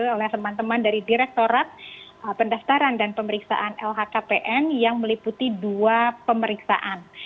oleh teman teman dari direktorat pendaftaran dan pemeriksaan lhkpn yang meliputi dua pemeriksaan